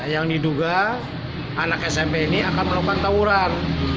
yang diduga anak smp ini akan melakukan tawuran